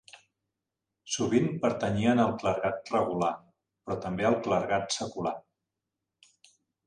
Sovint pertanyien al clergat regular, però també al clergat secular.